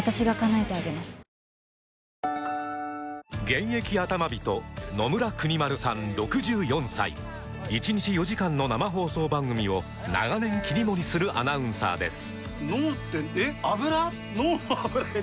現役アタマ人野村邦丸さん６４歳１日４時間の生放送番組を長年切り盛りするアナウンサーです